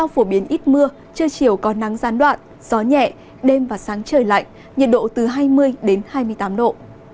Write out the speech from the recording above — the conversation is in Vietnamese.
phổ biến ít mưa trưa chiều có nắng gián đoạn gió nhẹ đêm và sáng trời lạnh nhiệt độ từ hai mươi đến hai mươi tám độ